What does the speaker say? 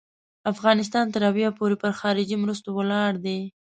افغانستان تر اویا پوري پر خارجي مرستو ولاړ دی.